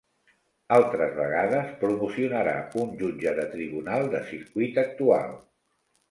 Altres vegades, promocionarà un Jutge de tribunal de circuit actual.